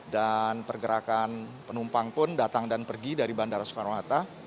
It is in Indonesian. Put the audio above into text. dan pergerakan penumpang pun datang dan pergi dari bandara soekarno hatta